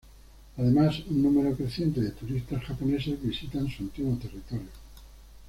Además un número creciente de turistas japoneses visitan su antiguo territorio.